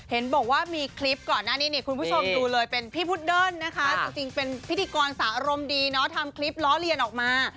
เห็นบอกว่ามีคลิปก่อนหน้านี้เนี่ยคุณผู้ชมดูเลยเป็นพี่พุดเดิ้ลนะคะจริงเป็นพิธีกรสาวอารมณ์ดีเนาะทำคลิปล้อเลียนออกมา